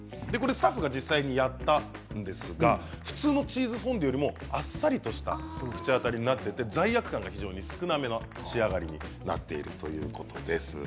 スタッフが実際にやったんですが普通のチーズフォンデュよりもあっさりした口当たりになっていて罪悪感が非常に少なめな仕上がりになっているということです。